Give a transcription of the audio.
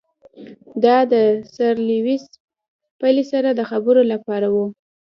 دا د سر لیویس پیلي سره د خبرو لپاره وو.